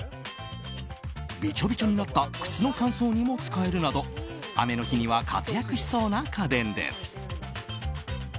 びちょびちょになった靴の乾燥にも使えるなど雨の日には活躍しそうな家電です。